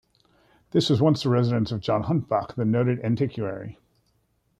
This was once the residence of John Huntbach, the noted antiquary.